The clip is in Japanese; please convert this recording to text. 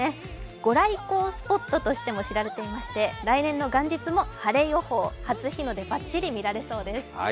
御来光スポットとしても知られていまして、来年の元日も晴れ予報、初日の出ばっちり見られそうです。